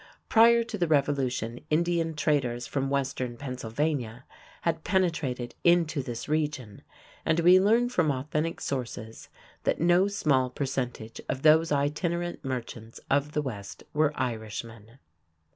Prior to the Revolution, Indian traders from Western Pennsylvania had penetrated into this region, and we learn from authentic sources that no small percentage of those itinerant merchants of the west were Irishmen.